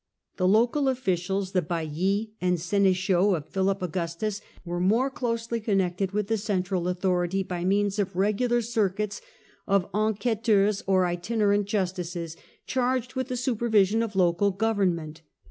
The local officials, the haillis and sdn4chaux of Philip Augustus, were more closely connected with the central authority by means of regular circuits of enquesteurs or itinerant justices charged with the supervision of local govern ment.